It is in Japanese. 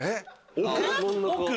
奥？